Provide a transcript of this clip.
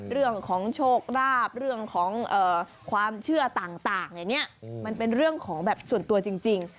เรื่องของโชคราบเรื่องของความเชื่อต่างอย่างนี้มันเป็นเรื่องของแบบส่วนตัวจริง